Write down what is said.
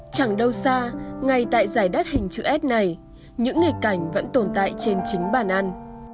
chẳng đâu xa ngay tại giải đất hình chữ s này những nghịch cảnh vẫn tồn tại trên chính bàn ăn